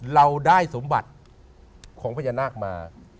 เราได้สมบัติของพญานาคมา